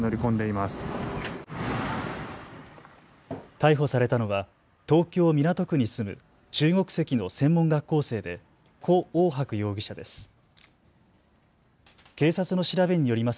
逮捕されたのは東京港区に住む中国籍の専門学校生で胡奥博容疑者です。